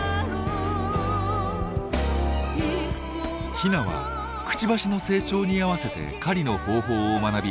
ヒナはクチバシの成長に合わせて狩りの方法を学び